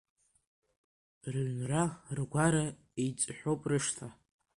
Рыҩнра, ргәара, еиҵҳәоуп рышҭа.